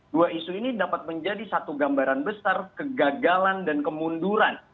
dua isu ini dapat menjadi satu gambaran besar kegagalan dan kemunduran